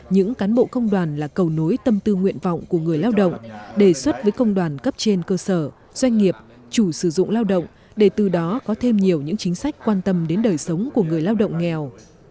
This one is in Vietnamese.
những cán bộ công đoàn là cầu nối tâm tư nguyện vọng của người lao động đề xuất với công đoàn cấp trên cơ sở doanh nghiệp chủ sử dụng lao động để từ đó có thêm nhiều những chính sách quan tâm đến đời sống của người lao động nghèo